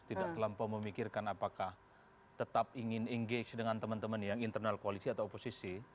tidak terlampau memikirkan apakah tetap ingin engage dengan teman teman yang internal koalisi atau oposisi